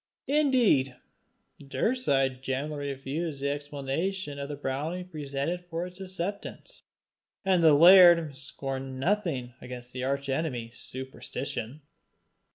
Indeed Daurside generally refused the explanation of the brownie presented for its acceptance, and the laird scored nothing against the arch enemy Superstition.